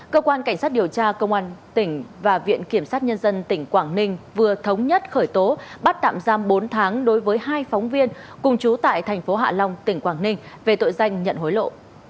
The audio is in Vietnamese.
cơ quan cảnh sát điều tra công an tỉnh và viện kiểm sát nhân dân tỉnh quảng ninh vừa thống nhất khởi tố bắt tạm giam bốn tháng đối với hai phóng viên cùng chú tại thành phố hạ long tỉnh quảng ninh về tội danh nhận hối lộ